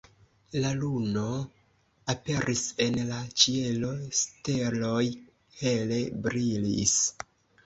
La luno aperis en la ĉielo, steloj hele brilis.